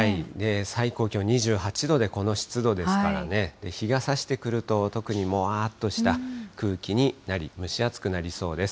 最高気温２８度でこの湿度ですからね、日がさしてくると、特にもわっとした空気になり、蒸し暑くなりそうです。